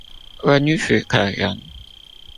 溫煦可人